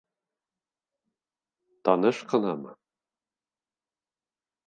Таныш ҡынамы?